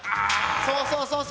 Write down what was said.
そうそう！